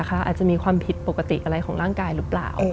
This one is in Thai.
อาจจะมีความผิดปกติอะไรของร่างกายหรือเปล่า